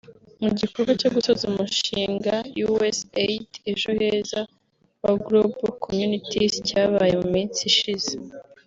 Mu gikorwa cyo gusoza umushinga ‘Usaid Ejo Heza’ wa Global Communities cyabaye mu minsi ishize